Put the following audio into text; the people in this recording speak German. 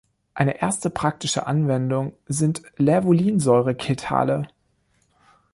Eine erste praktische Anwendung sind Lävulinsäure-Ketale.